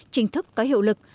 chính thức có hiệu lực